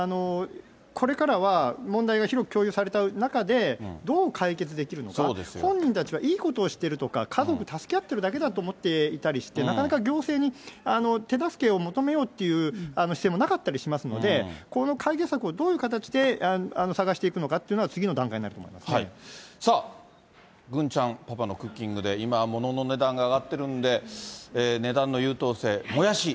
これからは問題が広く共有された中で、どう解決できるのか、本人たちはいいことをしてるとか、家族、助け合ってるだけだと思ってたりして、なかなか行政に手助けを求めようっていう姿勢もなかったりしますので、この解決策をどういう形で探していくのかっていうのは次の段階ださあ、郡ちゃんパパのクッキングで、今、物の値段が上がってるんで、値段の優等生、もやし。